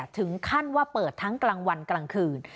ถึงขั้นว่าเปิดทั้งกลางวันกลางคืน